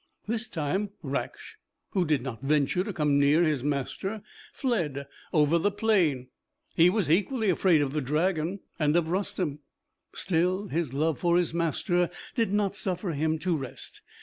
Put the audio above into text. This time Raksh, who did not venture to come near his master, fled over the plain; he was equally afraid of the dragon and of Rustem. Still his love for his master did not suffer him to rest.